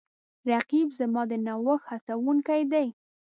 رقیب زما د نوښت هڅونکی دی